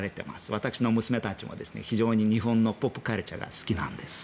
私の娘たちも非常に日本のポップカルチャーが好きなんです。